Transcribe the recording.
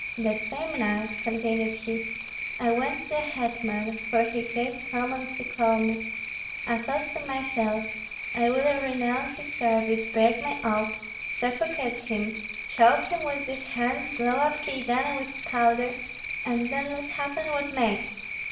"That same night," continued he, "I went to the hetman, for he gave command to call me. I thought to myself, 'I will renounce his service, break my oath, suffocate him, choke him with these hands, blow up Kyedani with powder, and then let happen what may.'